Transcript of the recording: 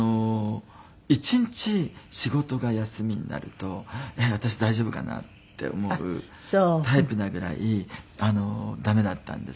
１日仕事が休みになるとえっ私大丈夫かな？って思うタイプなぐらい駄目だったんですよ